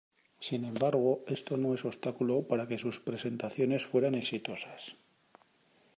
Sin embargo esto no es obstáculo para que sus presentaciones fueran exitosas.